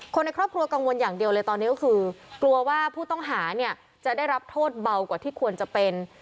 คนในครอบครัวกังวลอย่างเดียวเลยตอนนี้ก็คือกลัวว่าผู้ต้องหาเนี่ยจะได้รับโทษเบากว่าที่ควรจะเป็น